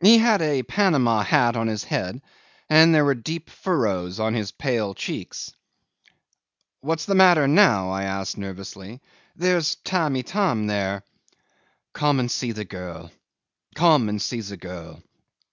He had a Panama hat on his head, and there were deep furrows on his pale cheeks. "What's the matter now?" I asked nervously. "There's Tamb' Itam there. ..." "Come and see the girl. Come and see the girl.